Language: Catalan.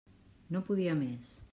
No podia més.